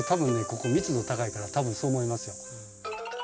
ここ密度高いから多分そう思いますよ。